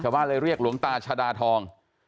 บ้านเลยเรียกหลวงตาชาดาทอง